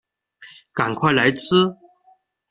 赶快来吃